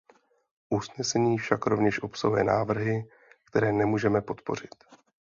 Usnesení však rovněž obsahuje návrhy, které nemůžeme podpořit.